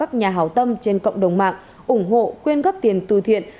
các nhà hảo tâm trên cộng đồng mạng ủng hộ khuyên gấp tiền từ thiện